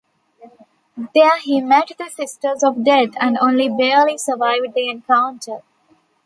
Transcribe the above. There he met the Sisters of Death, and only barely survived the encounter.